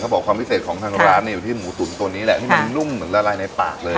บอกความพิเศษของทางร้านเนี่ยอยู่ที่หมูตุ๋นตัวนี้แหละที่มันนุ่มเหมือนละลายในปากเลย